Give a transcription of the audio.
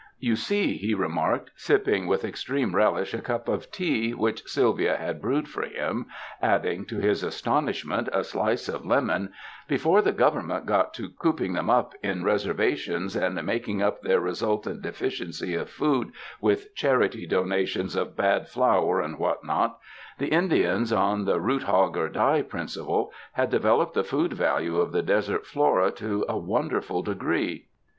*'You see," he remarked, sipping with extreme relish a cup of tea which Sylvia had brewed for him, adding, to his astonishment, a slice of lemon, ''be fore the Government got to cooping them up in res ervations and making up their resultant deficiency of food with charity rations of bad flour and what not, the Indians on the root hog or die principle, had developed the food value of the desert flora to a wonderful degree.